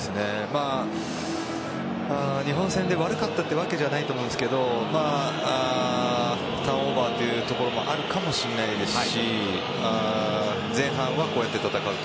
日本戦で悪かったわけじゃないと思うんですけどターンオーバーというところもあるかもしれないですし前半はこうやって戦うと。